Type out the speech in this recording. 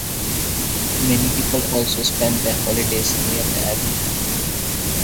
Many people also spend their holidays near the abbey.